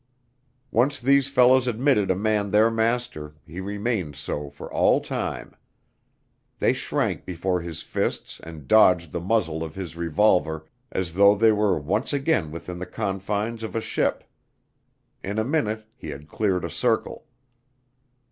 Once these fellows admitted a man their master, he remained so for all time. They shrank before his fists and dodged the muzzle of his revolver as though they were once again within the confines of a ship. In a minute he had cleared a circle.